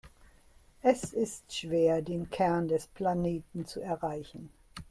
Es ist schwer, den Kern des Planeten zu erreichen.